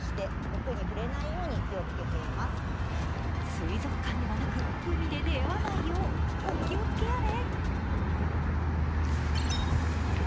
水族館ではなく、海で出会わないようお気をつけあれ。